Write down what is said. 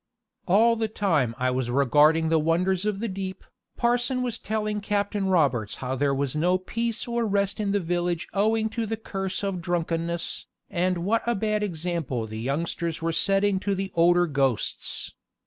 All the time I was regarding the wonders of the deep, parson was telling Captain Roberts how there was no peace or rest in the village owing to the curse of drunkenness, and what a bad example the youngsters were setting to the older ghosts.